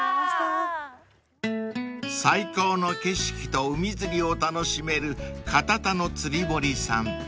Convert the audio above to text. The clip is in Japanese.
［最高の景色と海釣りを楽しめるカタタの釣堀さん］